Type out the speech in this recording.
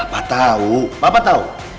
papa tahu papa tahu